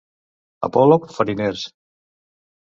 A Polop, fariners.